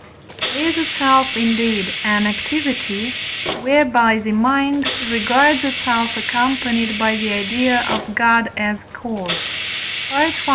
it is itself, indeed, an activity whereby the mind regards itself accompanied by the idea of God as cause (V.